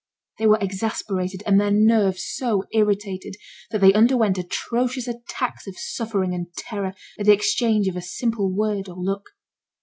They were exasperated, and their nerves so irritated, that they underwent atrocious attacks of suffering and terror, at the exchange of a simple word or look.